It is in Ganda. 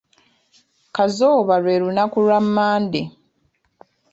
"Kazooba lwe lunaku lwa ""Monday""."